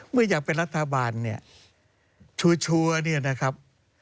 อยากเป็นรัฐบาลเนี่ยชัวร์เนี่ยนะครับ